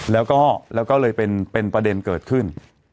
แล้วก็เลยเป็นประเด็นเกิดขึ้น